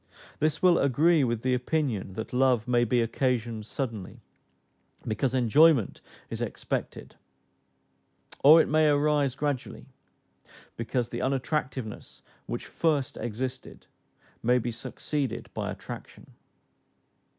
This will agree with the opinion that love may be occasioned suddenly, because enjoyment is expected; or it may arise gradually, because the unattractiveness which first existed, may be succeeded by attraction.